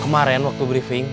kemarin waktu briefing